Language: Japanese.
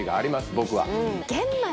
僕は。